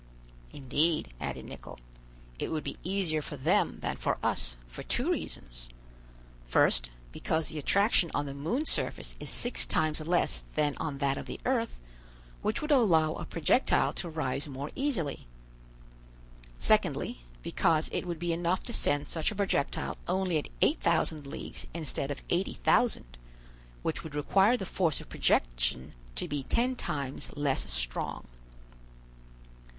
"Indeed," added Nicholl, "it would be easier for them than for us, for two reasons; first, because the attraction on the moon's surface is six times less than on that of the earth, which would allow a projectile to rise more easily; secondly, because it would be enough to send such a projectile only at 8,000 leagues instead of 80,000, which would require the force of projection to be ten times less strong."